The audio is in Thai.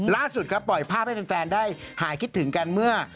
ล่าสุดครับปล่อยภาพให้แฟนได้หายคิดถึงกันเมื่อ